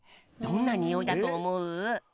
どんなにおいだとおもう？